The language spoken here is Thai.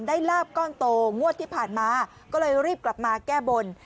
ลาบก้อนโตงวดที่ผ่านมาก็เลยรีบกลับมาแก้บน